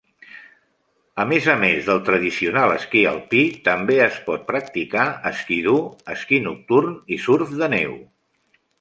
A més a més del tradicional esquí alpí, també es pot practicar ski-doo, esquí nocturn i surf de neu.